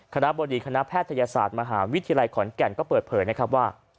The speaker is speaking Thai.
คณะบริคณะแพทยศาสตร์มหาวิทยาลัยขอนแก่น